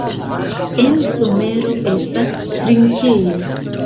En somero estas trinkejo.